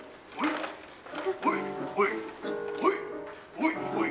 おいおい。